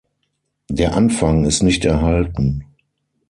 Der Anfang ist nicht erhalten.